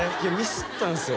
ミスったんすよ